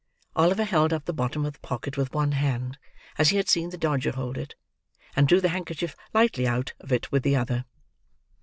Oliver held up the bottom of the pocket with one hand, as he had seen the Dodger hold it, and drew the handkerchief lightly out of it with the other.